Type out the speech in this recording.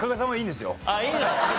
いいの？